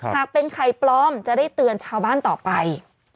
หากเป็นไข่ปลอมจะได้เตือนชาวบ้านต่อไป